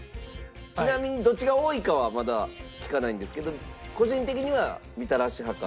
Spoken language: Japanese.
ちなみにどっちが多いかはまだ聞かないんですけど個人的にはみたらし派かおはぎ派か